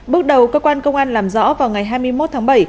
bước đầu cơ quan công an làm rõ vào ngày hai mươi một tháng bảy